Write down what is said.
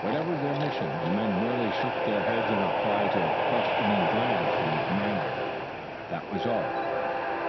Whatever their mission the men merely shook their heads in reply to a questioning glance from their commander. That was all.